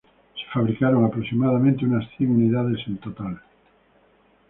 Se fabricaron aproximadamente unas cien unidades en total.